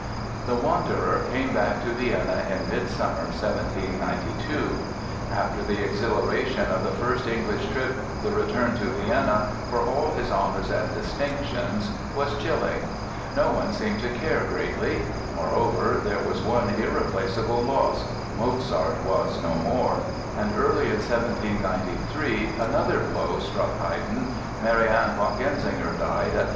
The wanderer came back to Vienna in midsummer, 1792. After the exhilaration of the first English trip the return to Vienna, for all his honors and distinctions, was chilling. No one seemed to care greatly. Moreover, there was one irreplaceable loss; Mozart was no more; and early in 1793 another blow struck Haydn—Marianne von Genzinger died at 38.